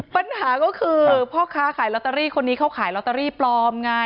ปัญหาก็คือพ่อค้าขายลอตเตอรี่คนนี้เขาขายลอตเตอรี่ปลอมไง